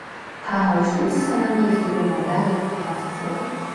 Та хоёрт үзэл санааны их зөрүү байна даа гээд толгой сэгсрэв.